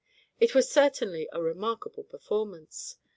It was certainly a remarkable performance.